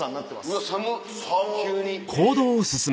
うわ寒っ急に。